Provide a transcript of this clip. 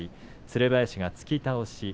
つる林が突き倒し。